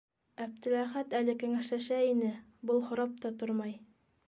Әптеләхәт әле кәңәшләшә ине, был һорап та тормай.